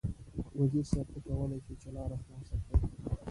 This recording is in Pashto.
وزیر صیب ته کولای شې چې لاره خلاصه کړې.